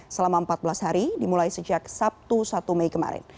selama empat belas hari dimulai sejak sabtu satu mei kemarin